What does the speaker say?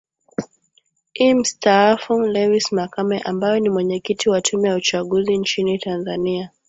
i mstaafu lewis makame ambaye ni mwenyekiti wa tume ya uchanguzi nchini tanzania